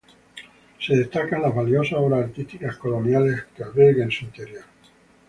Se destacan las valiosas obras artísticas coloniales que alberga en su interior.